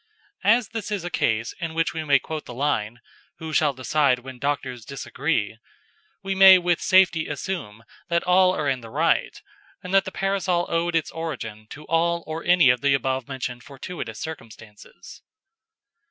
As this is a case in which we may quote the line "Who shall decide when doctors disagree?" we may with safety assume that all are in the right, and that the Parasol owed its origin to all or any of the above mentioned fortuitous circumstances.